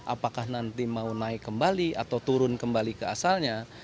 apakah nanti mau naik kembali atau turun kembali ke asalnya